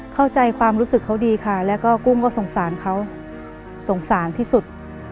เข้าใจความรู้สึกเขาดีค่ะแล้วก็กุ้งก็สงสารเขาสงสารที่สุด